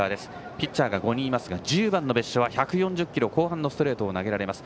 ピッチャーが５人いますが１０番、別所は１４０キロ後半のストレートがある。